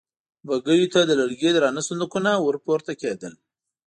بګيو ته د لرګي درانه صندوقونه ور پورته کېدل.